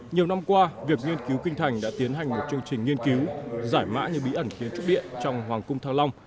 nhiều năm qua việc nghiên cứu kinh thành đã tiến hành một chương trình nghiên cứu giải mã những bí ẩn kiến trúc điện trong hoàng cung thăng long